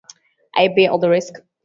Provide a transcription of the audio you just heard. I bear all the risk.